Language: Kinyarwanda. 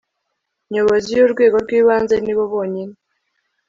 Nyobozi y urwego rw ibanze ni bo bonyine